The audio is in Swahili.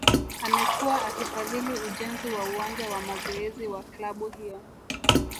Amekuwa akifadhili ujenzi wa uwanja wa mazoezi wa klabu hiyo